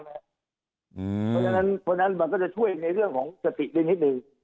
ทีโทนั้นจะช่วยในเรื่องของสติสินิขนึง